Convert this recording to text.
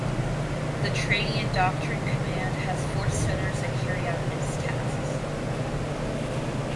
The Training and Doctrine Command has four centers that carry out its tasks.